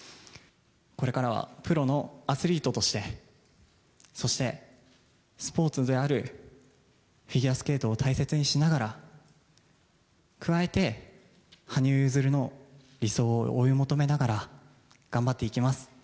これからはプロのアスリートとして、そしてスポーツであるフィギュアスケートを大切にしながら、加えて、羽生結弦の理想を追い求めながら頑張っていきます。